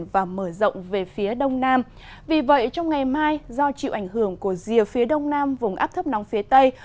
vậy trong ngày mai do chịu ảnh hưởng của rìa phía đông nam vùng áp thấp nóng phía tây